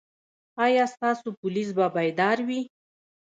ایا ستاسو پولیس به بیدار وي؟